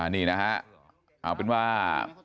นี่นะฮะเอาเป็นว่า